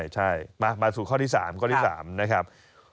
ใช่มาสู่ข้อที่๓ข้อที่๓นะครับ